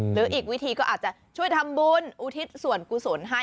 หรืออีกวิธีก็อาจจะช่วยทำบุญอุทิศส่วนกุศลให้